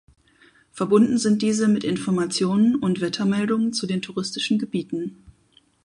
Verbunden sind diese mit Informationen und Wettermeldungen zu den touristischen Gebieten.